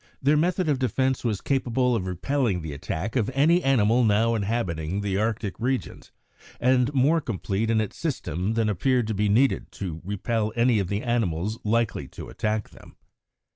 Their method of defence was capable of repelling the attack of any animal now inhabiting the Arctic regions, and more complete in its system than appeared to be needed to repel any of the animals likely to attack them.